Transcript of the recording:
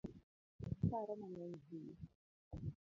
Aparo mang’eny ahinya